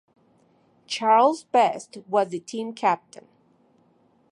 Charles Best was the team captain.